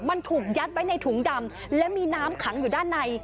มันถูกยัดไว้ในถุงดำและมีน้ำขังอยู่ด้านใน